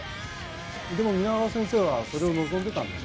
でも皆川先生はそれを望んでたんでしょ？